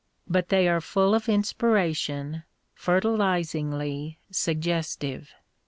But they are full of inspira tion, f ertilisingly suggestive.